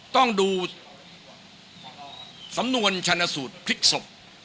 ต้องดูสำนวนชันสูตรพลิกศพ